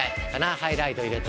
ハイライト入れて。